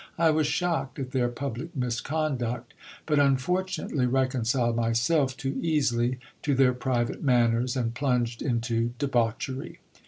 I was shocked at their public misconduct ; but unfortunately reconciled myself too easily to their private manners, and plunged into debauchery.